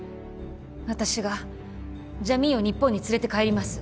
私がジャミーンを日本に連れて帰ります